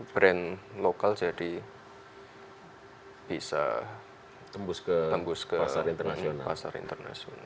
brand lokal jadi bisa tembus ke pasar internasional